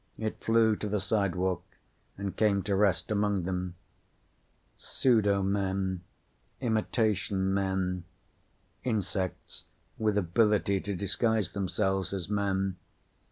It flew to the sidewalk and came to rest among them. Pseudo men. Imitation men. Insects with ability to disguise themselves as men.